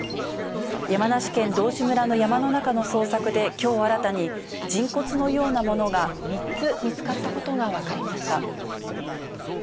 山梨県道志村の山の中の捜索で、きょう新たに人骨のようなものが３つ見つかったことが分かりました。